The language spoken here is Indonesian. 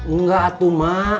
enggak tuh ma